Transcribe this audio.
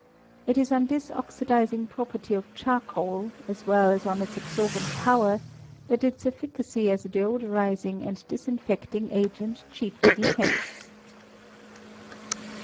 It is on this oxidizing property of charcoal, as well as on its absorbent power, that its efficacy as a deodorizing and disinfecting agent chiefly depends.